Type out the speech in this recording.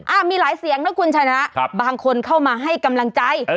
มีหลายเสียงนะคุณชนะบางคนเข้ามาให้กำลังใจ